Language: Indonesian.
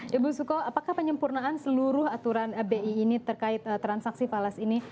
ibu suko apakah penyempurnaan seluruh aturan bi ini terkait transaksi falas ini